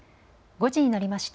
５時になりました。